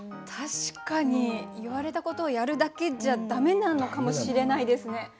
確かに言われたことをやるだけじゃだめなのかもしれないですね。